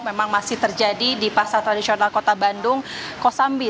memang masih terjadi di pasar tradisional kota bandung kosambi